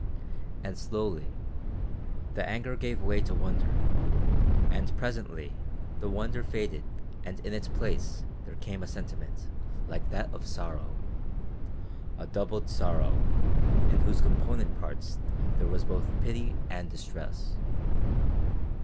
And slowly the anger gave way to wonder, and presently the wonder faded and in its place there came a sentiment like that of sorrow, a doubled sorrow in whose component parts there was both pity and distress.